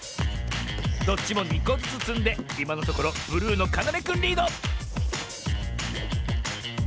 ⁉どっちも２こずつつんでいまのところブルーのかなめくんリード！